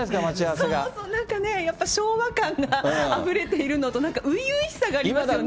そうそう、なんかね、昭和感があふれているのと、なんか初々しさがありますよね。